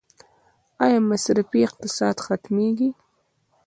آیا مصرفي اقتصاد ختمیږي؟